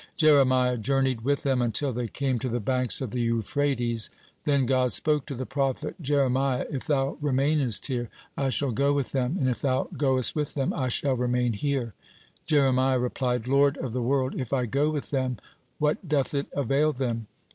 (41) Jeremiah journeyed with them until they came to the banks of the Euphrates. Then God spoke to the prophet: "Jeremiah, if thou remainest here, I shall go with them, and if thou goest with them, I shall remain here." Jeremiah replied: "Lord of the world, if I go with them, what doth it avail them?